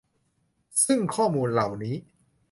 ซึ่งข้อมูลเหล่านี้